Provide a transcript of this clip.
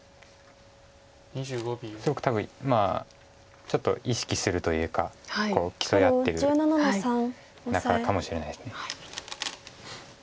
すごく多分ちょっと意識するというか競い合ってる仲かもしれないです。